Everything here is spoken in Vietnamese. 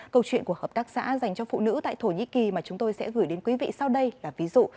câu chuyện của hợp tác xã dành cho phụ nữ tại thổ nhĩ kỳ mà chúng tôi sẽ gửi đến quý vị sau đây là ví dụ